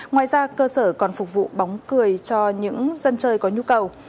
ngoài ra cơ sở còn phục vụ bóng cười cho những dân chơi có nhu cầu